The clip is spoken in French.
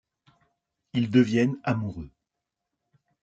Ils deviennent amoureux.